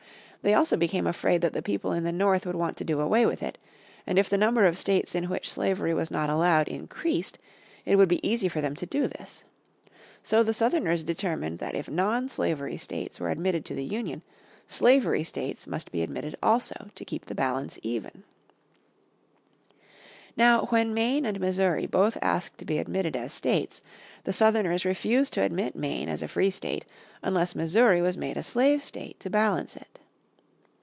They also became afraid that the people in the North would want to do away with it, and if the number of the states in which slavery was not allowed increased it would be easy for them to do this. So the Southerners determined that if non slavery states were admitted to the Union slavery states must be admitted also to keep the balance even. Now when Maine and Missouri both asked to be admitted as states the Southerners refused to admit Maine as a free state unless Missouri was made a slave state to balance it.